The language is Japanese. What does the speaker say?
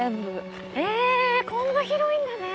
えこんな広いんだね。